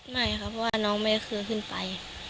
ไม่ครับเพราะว่าน้องไม่เคยขึ้นไป